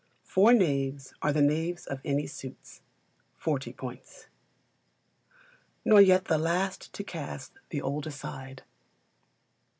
Four knaves are the knaves of any suits 40 points. [NOR YET THE LAST TO CAST THE OLD ASIDE.